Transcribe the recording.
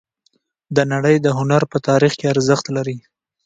د نړۍ د هنر په تاریخ کې ارزښت لري